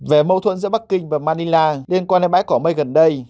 về mâu thuẫn giữa bắc kinh và manila liên quan đến bãi cỏ mây gần đây